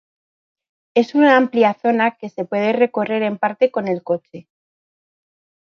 Es una amplia zona que se puede recorrer en parte con el coche.